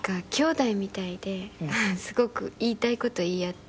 すごく言いたい事言い合って。